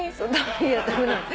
いや駄目なの。